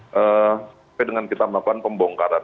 sampai dengan kita melakukan pembongkaran